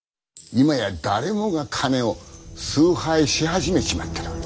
今や誰もが金を崇拝し始めちまっている。